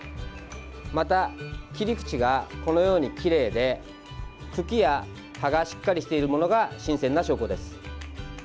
また、切り口がこのようにきれいで茎や葉がしっかりしているものが新鮮な証拠です。